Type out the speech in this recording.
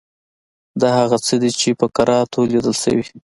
دا هغه څه دي چې په کراتو لیدل شوي.